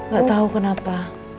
gak tau kenapa